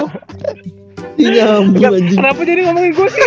kenapa jadi ngomongin gua sih